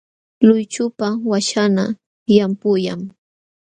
Luychupa waśhanqa llampullam.